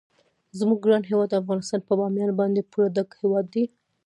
زموږ ګران هیواد افغانستان په بامیان باندې پوره ډک هیواد دی.